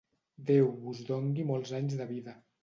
Déu vos dongui molts anys de vida.